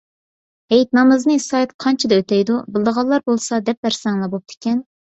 ھېيت نامىزىنى سائەت قانچىدە ئۆتەيدۇ؟ بىلىدىغانلار بولسا دەپ بەرسەڭلار بوپتىكەن.